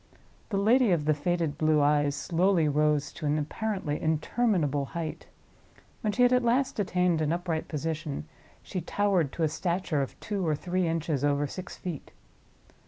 The lady of the faded blue eyes slowly rose to an apparently interminable height. When she had at last attained an upright position, she towered to a stature of two or three inches over six feet.